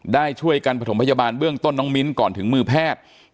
ได้ช่วยกันประถมพยาบาลเบื้องต้นน้องมิ้นก่อนถึงมือแพทย์